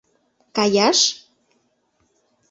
— Каяш?